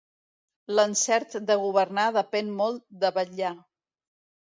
L'encert de governar depèn molt de vetllar.